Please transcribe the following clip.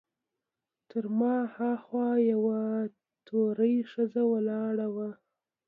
تر ما هاخوا یوه تورۍ ښځه ولاړه وه.